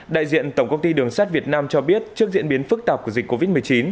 đại diện tổng công ty đường sắt việt nam cho biết trước diễn biến phức tạp của dịch covid một mươi chín